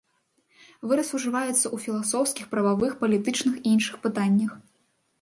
Выраз ужываецца ўжываецца ў філасофскіх, прававых, палітычных і іншых пытаннях.